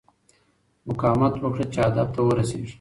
مقاومت وکړه چې هدف ته ورسېږې.